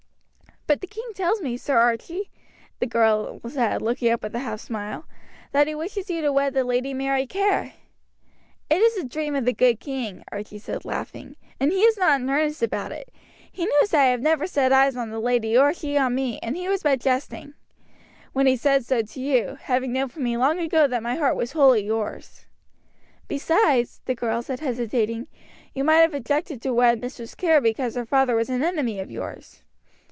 "But the king tells me, Sir Archie," the girl said, looking up with a half smile, "that he wishes you to wed the Lady Mary Kerr." "It is a dream of the good king," Archie said, laughing, "and he is not in earnest about it. He knows that I have never set eyes on the lady or she on me, and he was but jesting when he said so to you, having known from me long ago that my heart was wholly yours." "Besides," the girl said hesitating, "you might have objected to wed Mistress Kerr because her father was an enemy of yours."